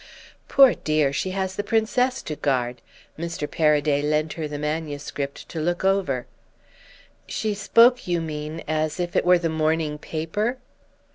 "'Poor dear, she has the Princess to guard! Mr. Paraday lent her the manuscript to look over.' "'She spoke, you mean, as if it were the morning paper?